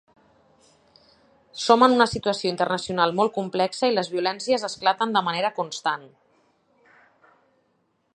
Som en una situació internacional molt complexa i les violències esclaten de manera constant.